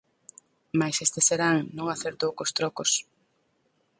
Mais este serán non acertou cos trocos.